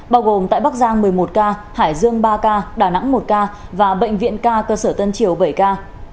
bao gồm tại bắc giang một mươi một ca hải dương ba ca đà nẵng một ca và bệnh viện ca cơ sở tân triều bảy ca